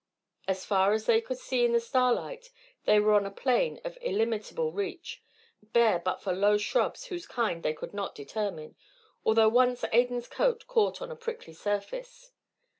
As far as they could see in the starlight they were on a plain of illimitable reach, bare but for low shrubs whose kind they could not determine, although once Adan's coat caught on a prickly surface.